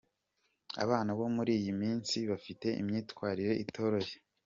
Abana bo muri iyi minsi bafite imyitwarire itoroshye.